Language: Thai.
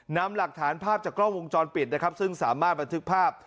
นำหลักฐานภาพจากกล้องวงจรปิดนะครับซึ่งสามารถบันทึกภาพ